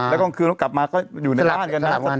แล้วกลางคืนกลับมาก็อยู่ในบ้านกัน